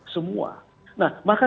semua nah maka